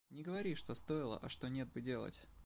Не говори, что стоило, а что нет бы делать.